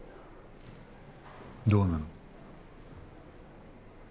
どうなの？